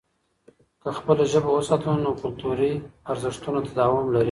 که خپله ژبه وساتو، نو کلتوري ارزښتونه تداوم لري.